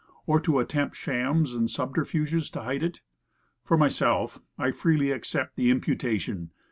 Or to attempt shams and subterfuges to hide it? For myself, I freely accept the imputation.